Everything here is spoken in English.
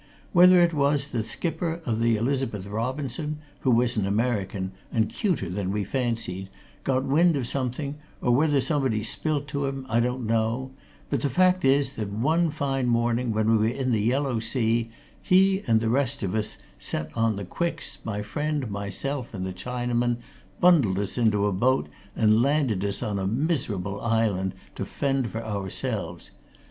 Whether it was that the skipper of the Elizabeth Robinson, who was an American and cuter than we fancied, got wind of something, or whether somebody spilt to him, I don't know, but the fact is that one fine morning when we were in the Yellow Sea he and the rest of them set on the Quicks, my friend, myself, and the Chinaman, bundled us into a boat and landed us on a miserable island, to fend for ourselves.